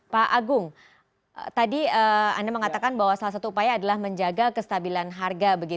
pak agung tadi anda mengatakan bahwa salah satu upaya adalah menjaga kestabilan harga